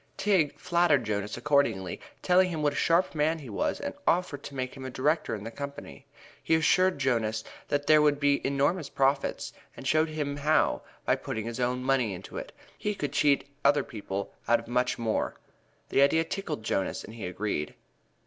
Tigg flattered Jonas accordingly, telling him what a sharp man he was and offered to make him a director in the company. He assured Jonas that there would be enormous profits and showed him how, by putting his own money into it, he could cheat other people out of much more. This idea tickled Jonas and he agreed.